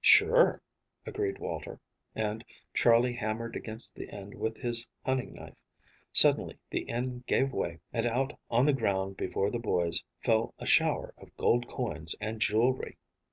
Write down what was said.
"Sure," agreed Walter, and Charley hammered against the end with his hunting knife. Suddenly the end gave way and out on the ground before the boys fell a shower of gold coins and jewelry.